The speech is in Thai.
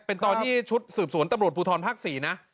เป็นตอนที่ชุดสืบสวนตำรวจภูทรภาค๔นะ